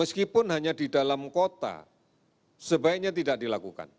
meskipun hanya di dalam kota sebaiknya tidak dilakukan